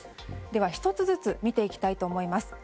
では、１つずつ見ていきたいと思います。